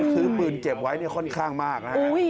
คือปืนเก็บไว้ค่อนข้างมาก